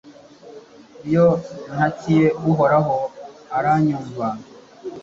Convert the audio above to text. iyo ntakiye uhoraho, aranyumva